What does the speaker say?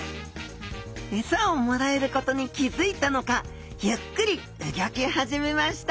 餌をもらえることに気付いたのかゆっくり動き始めました